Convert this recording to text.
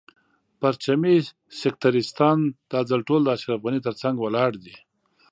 پرچمي سکتریستان دا ځل ټول د اشرف غني تر څنګ ولاړ دي.